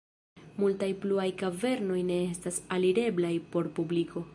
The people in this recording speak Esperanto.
Multaj pluaj kavernoj ne estas alireblaj por publiko.